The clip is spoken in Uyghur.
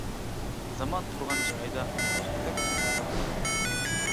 زامان تۇرغان جايىدا قوزۇقتەك قېتىپلا قالدى.